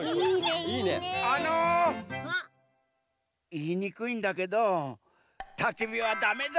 いいにくいんだけどたきびはだめざんす！